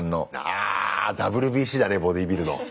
あＷＢＣだねボディビルの。